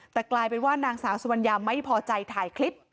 แต่กลายเป็นว่านางสาวสุวรรยาไม่พอใจถ่ายคลิป